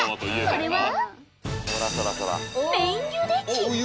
それは？